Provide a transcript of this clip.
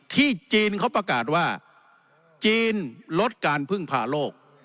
จีนเขาประกาศว่าจีนลดการพึ่งพาโลก